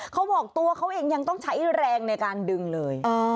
เขาบอกตัวเขาเองยังต้องใช้แรงในการดึงเลย